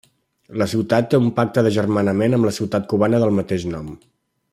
La ciutat té un pacte d'agermanament amb la ciutat cubana del mateix nom.